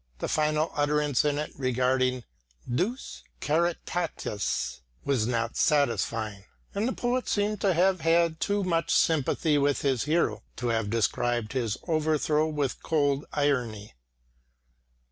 The final utterance in it regarding "Deus caritatis" was not satisfying, and the poet seemed to have had too much sympathy with his hero to have described his overthrow with cold irony.